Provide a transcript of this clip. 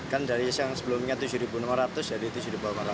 kan dari yang sebelumnya tujuh lima ratus jadi rp tujuh lima ratus